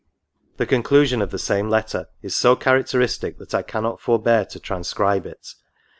The conclusion of the same letter is so characteristic, that I cannot forbear to transcribe it.